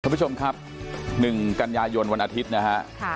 คุณผู้ชมครับ๑กันยายนวันอาทิตย์นะฮะ